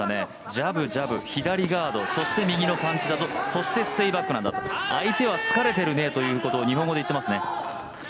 ジャブ、ジャブ、左ガード、そして右のパンチだと、そしてステイバックなんだと相手は疲れてるねと日本語で言っていますね。